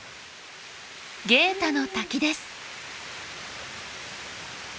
ゲータの滝です。